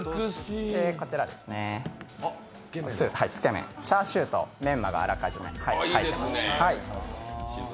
こちら、つけ麺、チャーシューとメンマがあらかじめ入っています。